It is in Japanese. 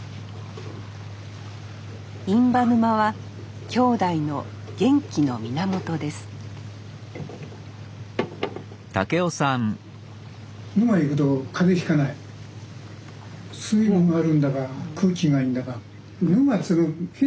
印旛沼は兄弟の元気の源ですまあ